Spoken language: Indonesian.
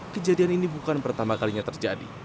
kejadian ini bukan pertama kalinya terjadi